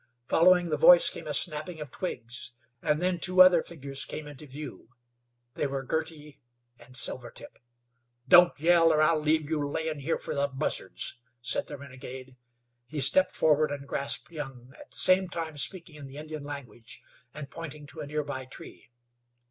Following the voice came a snapping of twigs, and then two other figures came into view. They were Girty and Silvertip. "Don't yell, er I'll leave you layin' here fer the buzzards," said the renegade. He stepped forward and grasped Young, at the same time speaking in the Indian language and pointing to a nearby tree.